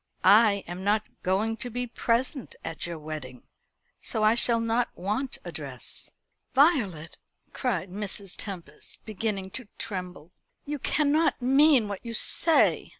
"I am not going to be present at your wedding, so I shall not want a dress." "Violet!" cried Mrs. Tempest, beginning to tremble. "You cannot mean what you say.